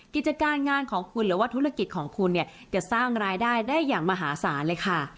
กิจการงานของคุณหรือว่าธุรกิจของคุณเนี่ยจะสร้างรายได้ได้อย่างมหาศาลเลยค่ะ